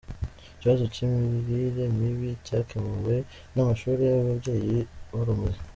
Ikibazo cy’imirire mibi cyakemuwe n’amashuri y’Ababyeyi b’Urumuri